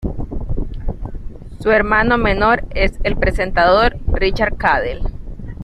Su hermano menor es el presentador Richard Cadell.